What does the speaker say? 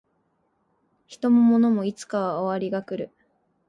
人も物もいつかは終わりが来る